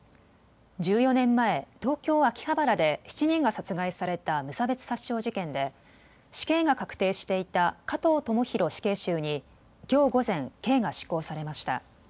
１４年前、東京秋葉原で７人が殺害された無差別殺傷事件で死刑が確定していた加藤智大死刑囚にきょう午前、刑が執行されました。